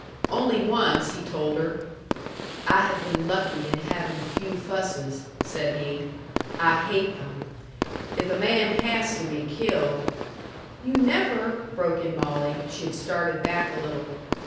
Only once, he told her. "I have been lucky in having few fusses," said he. "I hate them. If a man has to be killed " "You never " broke in Molly. She had started back a little.